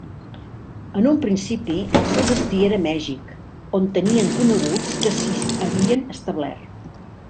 En un principi el seu destí era Mèxic, on tenien coneguts que s'hi havien establert.